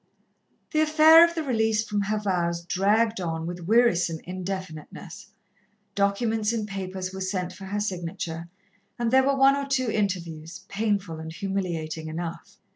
The affair of the release from her vows dragged on with wearisome indefiniteness. Documents and papers were sent for her signature, and there were one or two interviews, painful and humiliating enough.